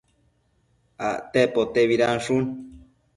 acte potebidanshun